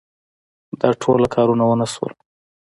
دا ټوله کارونه ونه شول.